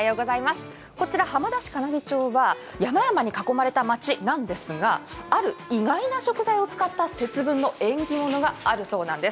こちら、浜田市金城町は山々に囲まれた町なんですが、ある意外な食材を使った節分の縁起物があるそうなんです。